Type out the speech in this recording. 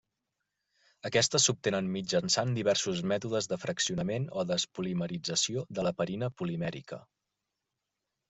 Aquestes s'obtenen mitjançant diversos mètodes de fraccionament o despolimerització de l'heparina polimèrica.